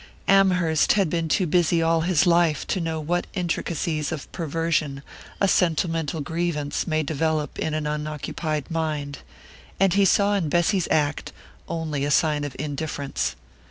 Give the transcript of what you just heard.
Amherst had been too busy all his life to know what intricacies of perversion a sentimental grievance may develop in an unoccupied mind, and he saw in Bessy's act only a sign of indifference.